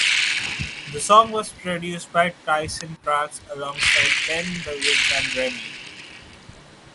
The song was produced by Tyson Trax alongside Ben Billions and Remi.